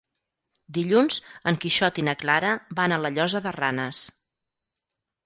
Dilluns en Quixot i na Clara van a la Llosa de Ranes.